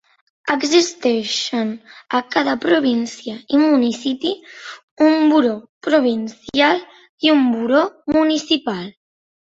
Existeixen a cada província i municipi, un buró provincial i un buró municipal.